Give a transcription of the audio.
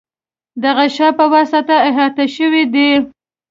د غشا په واسطه احاطه شوی دی.